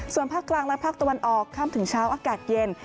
ส่วนภาคกลางและภาคตะวันออกค่ำถึงเช้าอากาศเย็น